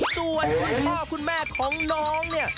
ส่วนคุณพ่อคุณแม่ของน้องเนี่ย